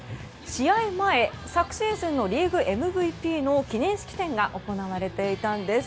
試合前昨シーズンのリーグＭＶＰの記念式典が行われていたんです。